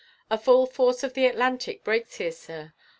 The full force of the Atlantic breaks here, sir.